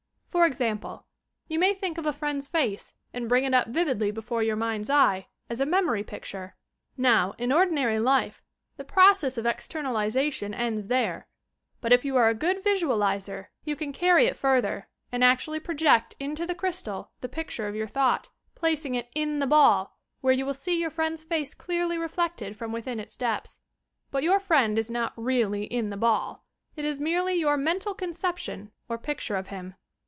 For example: You may think of a friend's face and bring it up vividly before your mind's eye, as a memory picture. Now, in ordinary life, the process of exter nalization ends there, but if you are a good visualizer you can carry it further, and actually project into the crystal the picture of your thought, placing it in the ball, where you will see your friend's face dearly re flected from within its depths. But your friend is not really in the ball; it is merely your mental conception or picture of him.